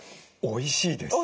おいしいです。